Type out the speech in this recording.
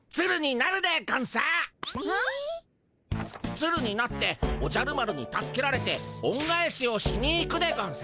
ツルになっておじゃる丸に助けられておんがえしをしに行くでゴンス。